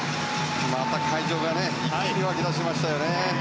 また会場が一気に沸き出しましたね。